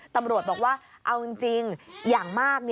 ตำรวจบอกว่าเอาจริงอย่างมาก